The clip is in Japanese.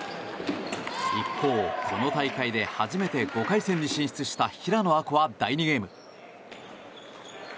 一方、この大会で初めて５回戦に進出した平野亜子は第２ゲーム。